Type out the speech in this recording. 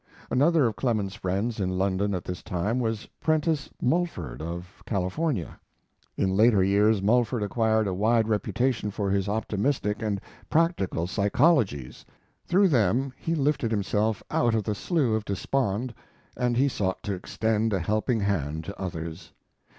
Another of Clemens's friends in London at this time was Prentice Mulford, of California. In later years Mulford acquired a wide reputation for his optimistic and practical psychologies. Through them he lifted himself out of the slough of despond, and he sought to extend a helping hand to others.